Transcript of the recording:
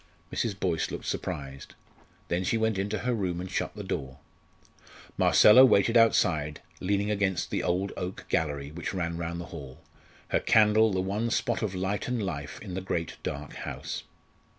Mrs. Boyce looked surprised. Then she went into her room and shut the door. Marcella waited outside, leaning against the old oak gallery which ran round the hall, her candle the one spot of light and life in the great dark house.